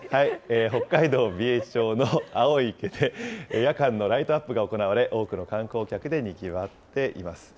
北海道美瑛町の青い池で、夜間のライトアップが行われ、多くの観光客でにぎわっています。